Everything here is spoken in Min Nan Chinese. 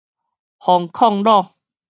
封炕滷